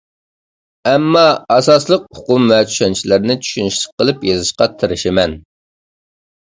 ئەمما، ئاساسلىق ئۇقۇم ۋە چۈشەنچىلەرنى چۈشىنىشلىك قىلىپ يېزىشقا تىرىشىمەن.